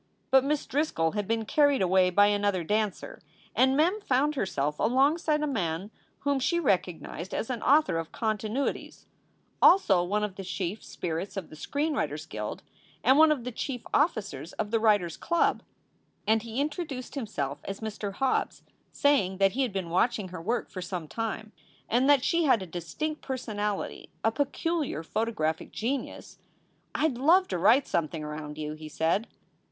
But Miss Driscoll had been carried away by another dancer, and Mem found herself alongside a man whom she recognized as an author of continuities, also one of the chief 352 SOULS FOR SALE spirits of the Screen Writers Guild and one of the chief officers of the Writers Club. And he introduced himself as Mr. Hobbes, saying that he had been watching her work for some time and that she had a distinct personality, a peculiar photographic genius. "I d love to write something around you," he said.